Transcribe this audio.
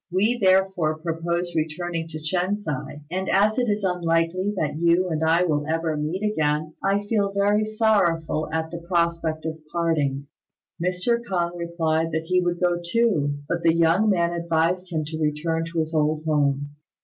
We therefore propose returning to Shen si, and as it is unlikely that you and I will ever meet again, I feel very sorrowful at the prospect of parting." Mr. K'ung replied that he would go too, but the young man advised him to return to his old home.